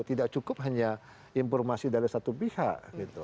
tidak cukup hanya informasi dari satu pihak